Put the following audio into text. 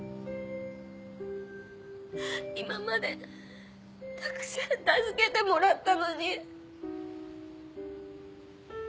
今までたくさん助けてもらったのに。